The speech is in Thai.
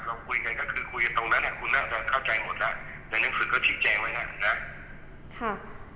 เราคุยกันก็คือคุยกันตรงนั้นอ่ะคุณน่าจะเข้าใจหมดแล้วในหนังสือก็ชี้แจงไว้แล้วนะค่ะ